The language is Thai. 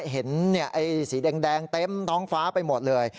เห็นสีแดงเต็มท้องฟ้าไปหมดเลย